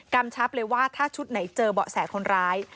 ชับเลยว่าถ้าชุดไหนเจอเบาะแสคนร้าย